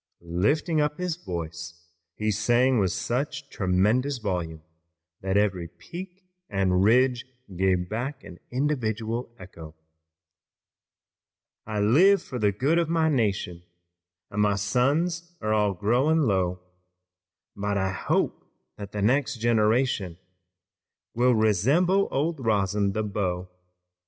Lifting up his voice he sang with such tremendous volume that every peak and ridge gave back an individual echo: "I live for the good of my nation, And my suns are all growing low, But I hope that the next generation Will resemble old Rosin, the beau.